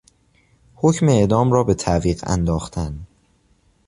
حکم اعدام را به تعویق انداختن